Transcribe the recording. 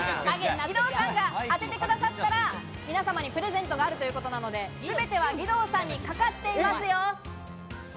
義堂さんが当ててくださったら皆様にプレゼントがあるということなので、すべては義堂さんにかかっていますよ。